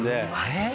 えっ？